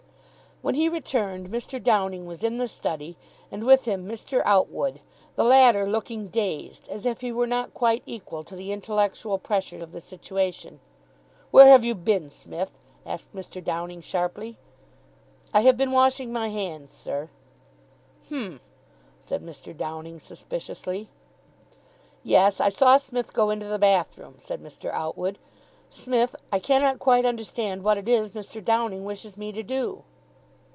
When he returned, Mr. Downing was in the study, and with him Mr. Outwood, the latter looking dazed, as if he were not quite equal to the intellectual pressure of the situation. "Where have you been, Smith?" asked Mr. Downing sharply. "I have been washing my hands, sir." "H'm!" said Mr. Downing suspiciously. "Yes, I saw Smith go into the bathroom," said Mr. Outwood. "Smith, I cannot quite understand what it is Mr. Downing wishes me to do."